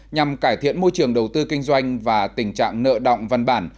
nhằm cải thiện môi trường đầu tư kinh doanh và tình trạng nợ động văn bản